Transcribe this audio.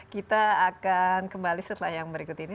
kita akan kembali setelah yang berikut ini